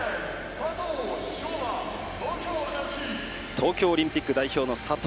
東京オリンピック代表の佐藤。